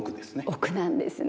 奥なんですね。